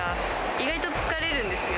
意外と疲れるんですよ。